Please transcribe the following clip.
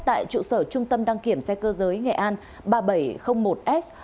tại trụ sở trung tâm đăng kiểm xe cơ giới nghệ an ba nghìn bảy trăm linh một s